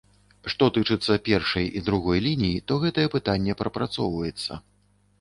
Што тычыцца першай і другой ліній, то гэтае пытанне прапрацоўваецца.